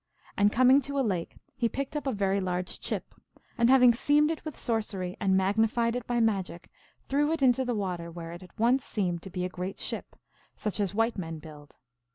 And, coming to a lake, he picked up a very large chip, and having seamed it with sorcery and magnified it by magic threw it into the water, where it at once seemed to be a great ship, such as white men build.